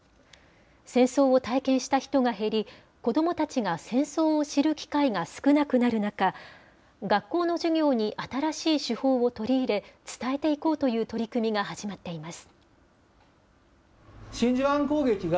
戦争を体験した人が減り、子どもたちが戦争を知る機会が少なくなる中、学校の授業に、新しい手法を取り入れ、伝えていこうという取り組みが始まっています。